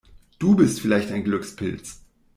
Du bist vielleicht ein Glückspilz!